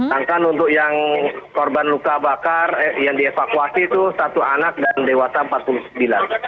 sedangkan untuk yang korban luka bakar yang dievakuasi itu satu anak dan dewasa empat puluh sembilan